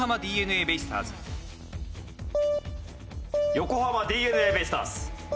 横浜ＤｅＮＡベイスターズ。